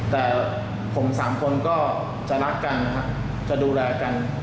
แต่ผมสามคนก็จะรักกันนะครับจะดูแลกัน